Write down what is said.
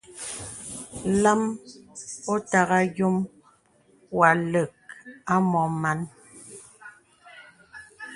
Lām òtagà yôm wà àlə̀k à mɔ màn.